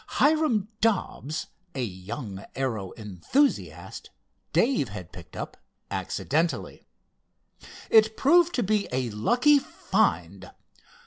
Hiram Dobbs, a young aero enthusiast, Dave had picked up accidentally. It proved to be a lucky "find."